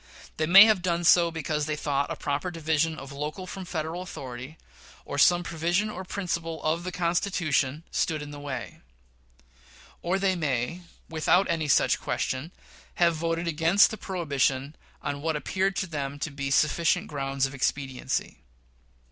They may have done so because they thought a proper division of local from Federal authority, or some provision or principle of the Constitution, stood in the way; or they may, without any such question, have voted against the prohibition on what appeared to them to be sufficient grounds of expediency.